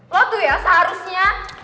lo tuh ya seharusnya